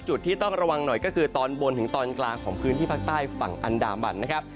จุดที่ต้องระวังหน่อยก็คือตอนบนถึงตอนกลางของพื้นที่ภาคใต้ฝั่งอันดามันนะครับ